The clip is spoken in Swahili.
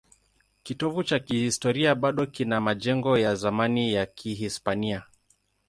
Kitovu cha kihistoria bado kina majengo ya zamani ya Kihispania.